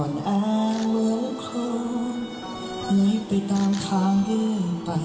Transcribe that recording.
อ่อนแอเหมือนคนเหนื่อยไปตามทางยืนไป